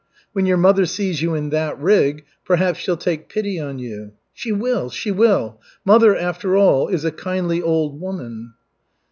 "When your mother sees you in that rig, perhaps she'll take pity on you." "She will, she will. Mother, after all, is a kindly old woman."